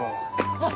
あっ！